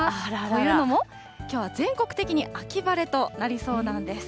というのも、きょうは全国的に秋晴れとなりそうなんです。